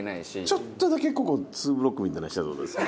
ちょっとだけここツーブロックみたいなのしたらどうです？